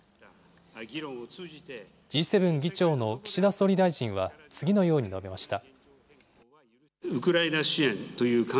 Ｇ７議長の岸田総理大臣は、次のように述べました。